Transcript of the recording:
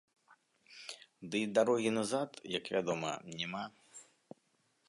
Дый дарогі назад, як вядома, няма.